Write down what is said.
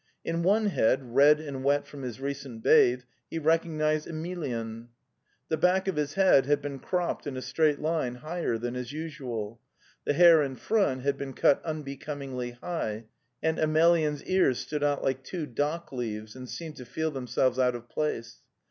In one head, red and wet from his recent bathe, he recognized Emelyan. 'The back of his head had been cropped in a straight line higher than is usual; the hair in front had been cut unbecomingly high, and Emel yan's ears stood out like two dock leaves, and seemed to feel themselves out of place.